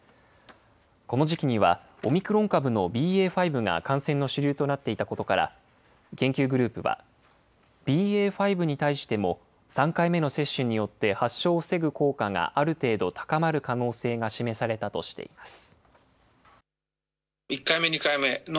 この時期には、オミクロン株のＢＡ．５が感染の主流となっていたことから、研究グループはＢＡ．５に対しても３回目の接種によって、発症を防ぐ効果がある程度高まる可能性が示されたとしています。